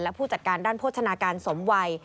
และผู้จัดการด้านโภชนาการสมวัย